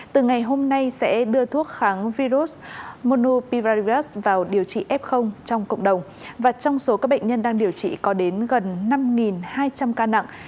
từ ngày hôm nay sẽ đưa thuốc kháng virus monupivarivius vào điều trị f trong cộng đồng và trong số các bệnh nhân đang điều trị có đến gần năm hai trăm linh ca nặng